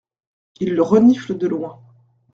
Il le renifle de loin.